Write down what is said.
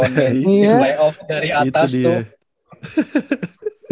lay off dari atas tuh